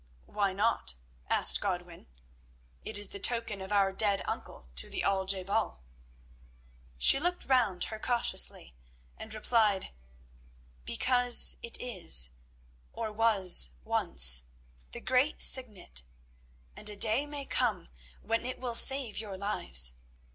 "Why not?" asked Godwin. "It is the token of our dead uncle to the Al je bal." She looked round her cautiously and replied: "Because it is, or was once, the great Signet, and a day may come when it will save your lives.